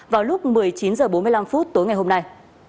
vào lúc một mươi chín h bốn mươi năm tối ngày hôm nay